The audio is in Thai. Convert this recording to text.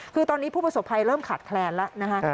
คือตอนนี้ผู้ประสบภัยเริ่มขาดแคลนแล้วนะคะ